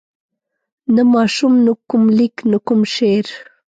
نه ماشوم نه کوم لیک نه کوم شعر.